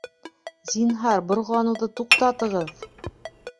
Зинһар, борғоланыуҙы туҡтатығыҙ!